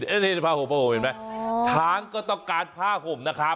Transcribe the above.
นี่ภาพห่มภาพห่มเห็นมั้ยช้างก็ต้องการภาพห่มนะครับ